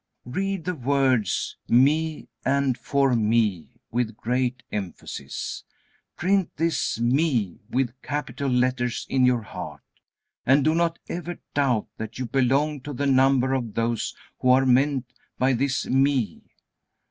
Read the words "me" and "for me" with great emphasis. Print this "me" with capital letters in your heart, and do not ever doubt that you belong to the number of those who are meant by this "me."